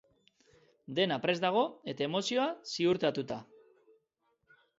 Dena prest dago eta emozioa ziurtatuta.